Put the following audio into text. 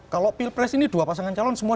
kalau pilpres ini dua pasangan calon semua